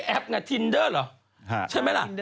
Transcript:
ตัวสิจัวจัวติด